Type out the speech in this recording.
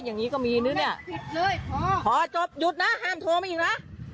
อย่างงี้ก็มีนึงเนี้ยแน่ผิดเลยพอพอจบหยุดนะห้ามโทรมาอีกน่ะ